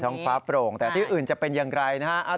ท้องฟ้าโปร่งแต่ที่อื่นจะเป็นอย่างไรนะครับ